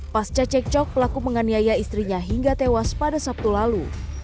pasca cekcok pelaku menganiaya istrinya hingga tewas pada sabtu lalu